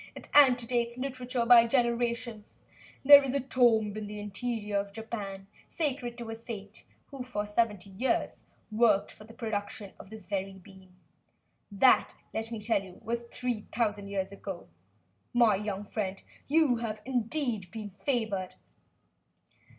It antedates literature by generations. There is a tomb in the interior of Japan, sacred to a saint who for seventy years worked for the production of this very bean. That, let me tell you, was three thousand years ago. My young friend, you have indeed been favored!"